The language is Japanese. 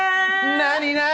「何？何？」